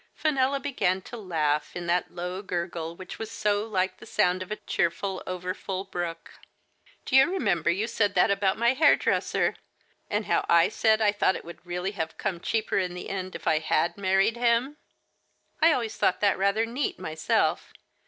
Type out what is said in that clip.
Fenella began to laugh in that low gurgle which was so like the sound of a cheerful, over full brook. Do you remember you said that about my hairdresser? And how I said I thought it would really have come cheaper in the end if I had mar ried him? I always thought that rather neat my self.